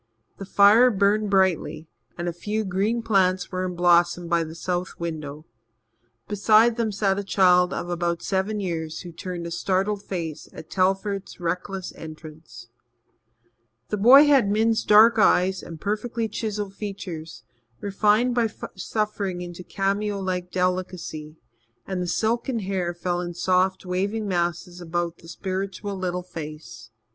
The fire burned brightly, and a few green plants were in blossom by the south window. Beside them sat a child of about seven years who turned a startled face at Telford's reckless entrance. The boy had Min's dark eyes and perfectly chiselled features, refined by suffering into cameo like delicacy, and the silken hair fell in soft, waving masses about the spiritual little face.